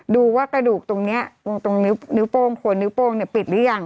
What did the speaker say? ดูว่ากระดูกตรงนี้ควรนิ้วโป้งปิดไหมหรือยัง